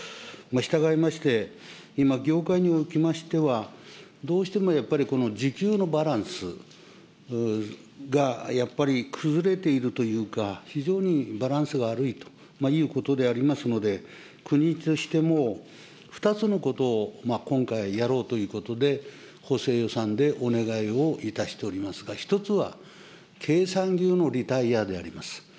したがいまして、今、業界におきましては、どうしてもやっぱりこの需給のバランスがやっぱり崩れているというか、非常にバランスが悪いということでありますので、国としても、２つのことを今回、やろうということで、補正予算でお願いをいたしておりますが、一つは経産牛のリタイアであります。